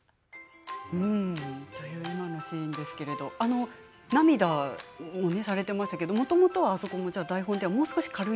今のシーンですけれど涙をされていましたがもともとはあそこは台本ではもう少し軽い？